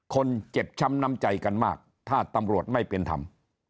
คนเจ็บช้ำน้ำใจกันมากถ้าตำรวจไม่เป็นธรรม